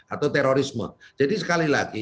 atau terorisme jadi sekali lagi